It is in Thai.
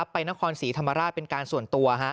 ไปนครศรีธรรมราชเป็นการส่วนตัว